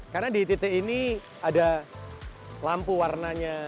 karena di titik ini ada lampu warnanya